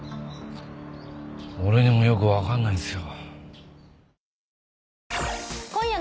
俺にもよくわかんないんすよ。